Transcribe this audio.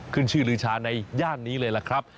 ขึ้นชื่อลือชาในย่านนี้เลยล่ะครับ